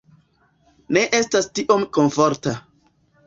Ne estas tiom komforta